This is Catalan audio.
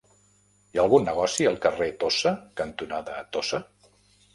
Hi ha algun negoci al carrer Tossa cantonada Tossa?